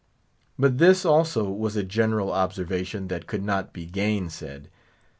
But this, also, was a general observation that could not be gainsaid.